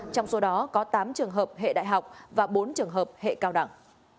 trong số đó có tám trường hợp hệ đại học và bốn trường hợp hệ cao đẳng